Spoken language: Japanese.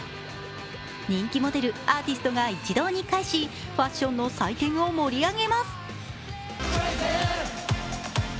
人気モデル、アーティストが一堂に会しファッションの祭典を盛り上げます。